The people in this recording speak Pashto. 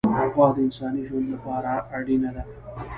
غوا د انساني ژوند لپاره اړینه ده.